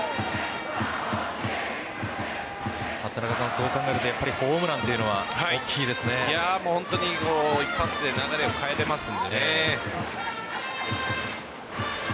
そう考えるとやっぱりホームランというのは本当に一発で流れを変えられますので。